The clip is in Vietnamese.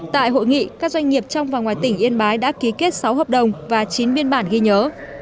tại hội nghị các doanh nghiệp trong và ngoài tỉnh yên bái đã ký kết sáu hợp đồng và chín biên bản ghi nhớ